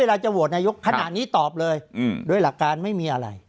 อาจารย์ไม่มีอะไร